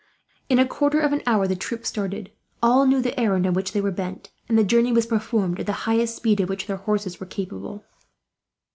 In a quarter of an hour, the troop started. All knew the errand on which they were bent, and the journey was performed at the highest speed of which the horses were capable.